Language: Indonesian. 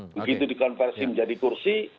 begitu dikonversi menjadi kursi